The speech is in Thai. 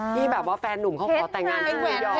ที่แบบว่าแฟนหนุ่มเขาขอแต่งงานที่ระยอง